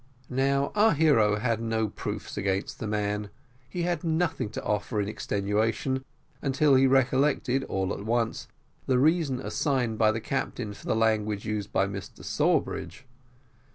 Now our hero had no proofs against the man; he had nothing to offer in extenuation, until he recollected, all at once, the reason assigned by the captain for the language used by Mr Sawbridge.